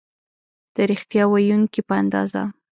د ریښتیا ویونکي په اندازه